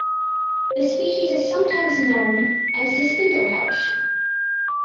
The species is sometimes knows as the "Spindle Pouch".